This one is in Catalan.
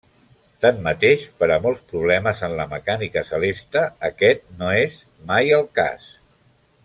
Tanmateix, per a molts problemes en la mecànica celeste, aquest no és mai el cas.